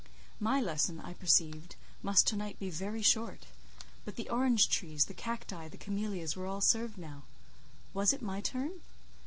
My lesson, I perceived, must to night be very short; but the orange trees, the cacti, the camelias were all served now. Was it my turn?